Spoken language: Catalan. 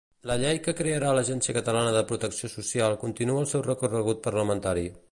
La llei que crearà l'Agència Catalana de Protecció Social continua el seu recorregut parlamentari.